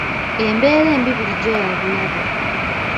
Embeera embi bulijjo ya bulabe.